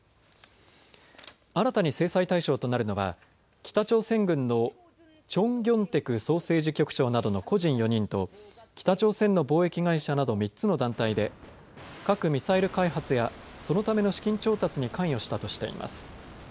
新たに制裁対象となるのは北朝鮮軍のチョン・ギョンテク総政治局長などの個人４人と北朝鮮の貿易会社など３つの団体で核・ミサイル開発やそのための資金調達に関与したとしています。